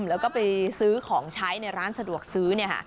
แล้วที่ซื้อของใช้ในร้านสะดวกซื้อเนี่ยฮะ